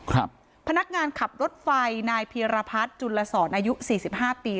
ค่ะพนักงานขับรถไฟนายเพียรพัสจุลศรอายุ๔๕ปี